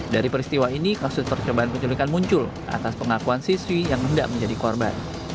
dari peristiwa ini kasus percobaan penculikan muncul atas pengakuan siswi yang hendak menjadi korban